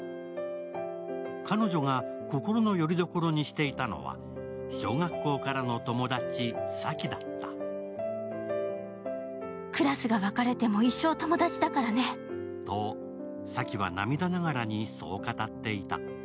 彼女が心のよりどころにしていたのは小学校からの友達・さきだったと、さきは涙ながらにそう語っていた。